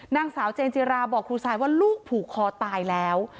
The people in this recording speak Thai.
นางสาวเจนจิราบอกครูซายว่าลูกผูกคอตายแล้ว